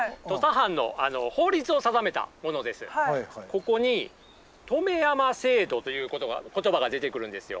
ここに「留山制度」という言葉が出てくるんですよ。